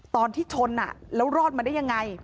ตอนที่ชนแล้วรอดมาได้ยังไง